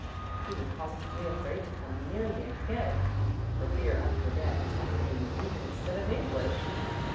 He was positively afraid to come near me again, for fear I'd forget and talk to him in Greek instead of English."